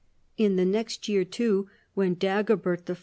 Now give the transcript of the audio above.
In the next year, too, when Dagobert I.